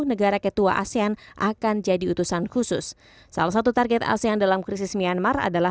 negara ketua asean akan jadi utusan khusus salah satu target asean dalam krisis myanmar adalah